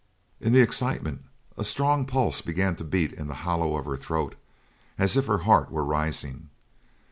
In the excitement a strong pulse began to beat in the hollow of her throat, as if her heart were rising.